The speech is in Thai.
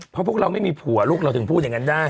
เพราะพวกเราไม่มีผัวลูกเราถึงพูดอย่างนั้นได้